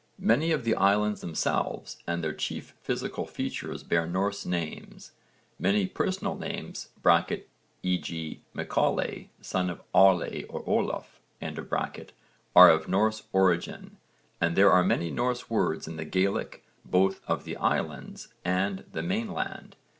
Many of the islands themselves and their chief physical features bear Norse names, many personal names (e.g. MacAulay, son of Aulay or Olaf) are of Norse origin, and there are many Norse words in the Gaelic both of the islands, and the mainland.